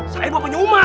saya bapaknya umar